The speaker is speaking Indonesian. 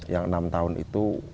yang enam tahun itu